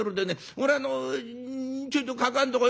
俺あのちょっとかかあんとこ」。